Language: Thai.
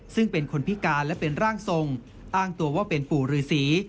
ซึ่งเป็นคนพิการและเป็นร่างทรงอ้างตัวว่าเป็นปู่ฤษี